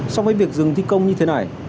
so với việc dừng thi công như thế này